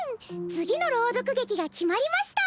次の朗読劇が決まりました。